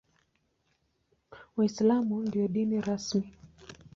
Uislamu ndio dini rasmi.